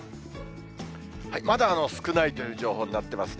まだ少ないという情報になってますね。